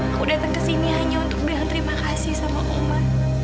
aku datang ke sini hanya untuk bilang terima kasih sama oman